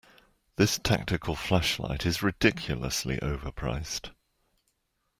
This tactical flashlight is ridiculously overpriced.